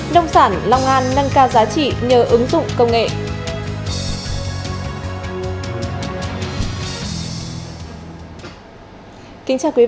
nông sản long an nâng cao giá trị nhờ ứng dụng công nghệ